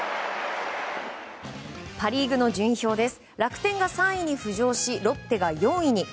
パ・リーグの順位表です。